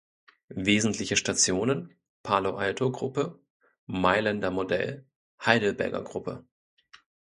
Wesentliche Stationen: Palo-Alto-Gruppe, Mailänder Modell, Heidelberger Gruppe.